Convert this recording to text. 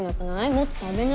もっと食べなよ。